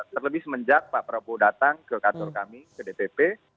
terlebih semenjak pak prabowo datang ke kantor kami ke dpp